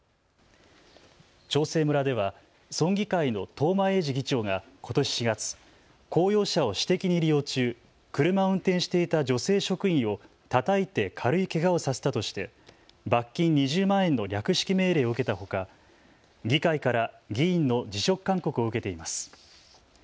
長生村では村議会の東間永次議長がことし４月、公用車を私的に利用中、車を運転していた女性職員をたたいて軽いけがをさせたとして罰金２０万円の略式命令を受けたほか、議会から議員の辞職勧告を受けています。